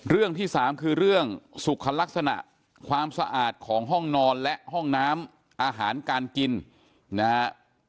เรื่องที่สามคือเรื่องสุขลักษณะความสะอาดของห้องนอนและห้องน้ำอาหารการกินนะฮะ